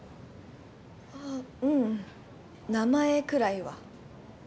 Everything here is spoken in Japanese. あうん名前ぐらいは。